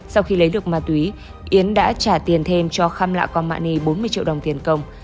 sau khi lấy được ma túy yến đã trả tiền thêm cho khăm lạ con mạ ni bốn mươi triệu đồng tiền công